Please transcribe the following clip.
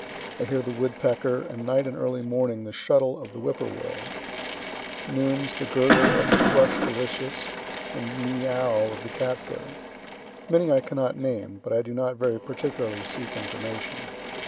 I hear the woodpecker, and night and early morning the shuttle of the whip poor will noons, the gurgle of thrush delicious, and meo o ow of the cat bird. Many I cannot name; but I do not very particularly seek information.